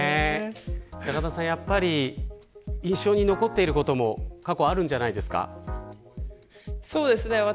高田さん、やっぱり印象に残っていることも過去あるんじゃないですか。